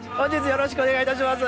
よろしくお願いします。